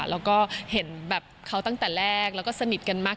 แล้วก็เห็นแบบเขาตั้งแต่แรกแล้วก็สนิทกันมาก